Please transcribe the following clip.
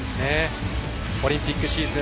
オリンピックシーズン